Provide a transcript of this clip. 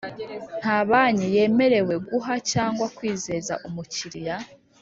Nta banki yemerewe guha cyangwa kwizeza umukiriya